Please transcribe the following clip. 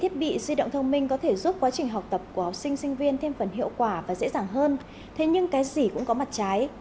thiết bị di động thông minh có thể giúp quá trình học tập của học sinh sinh viên thêm phần hiệu quả và dễ dàng hơn thế nhưng cái gì cũng có mặt trái